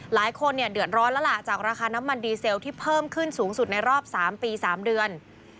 หลายคนเนี่ยเดือดร้อนแล้วล่ะจากราคาน้ำมันดีเซลที่เพิ่มขึ้นสูงสุดในรอบ๓ปี๓เดือน